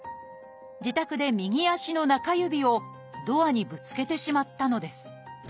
自宅で右足の中指をドアにぶつけてしまったのです。